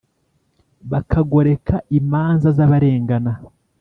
Bakagoreka imanza z abarengana